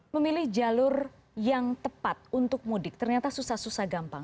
memilih jalur yang tepat untuk mudik ternyata susah susah gampang